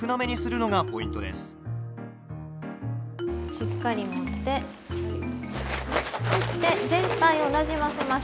しっかり持ってふって全体をなじませます。